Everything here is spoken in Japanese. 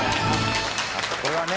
これはね